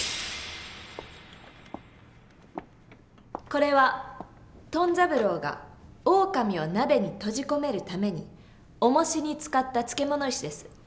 これはトン三郎がオオカミを鍋に閉じ込めるためにおもしに使った漬物石です。